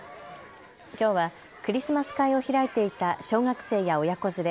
きょうはクリスマス会を開いていた小学生や親子連れ